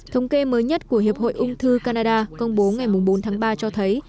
thống kê mới nhất của hiệp hội ung thư canada công bố ngày bốn tháng ba cho thấy